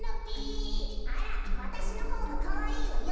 あらわたしのほうがかわいいわよ！